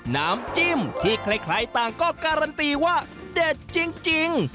น้ำจิ้มที่ใครต่างก็การันตีว่าเด็ดจริง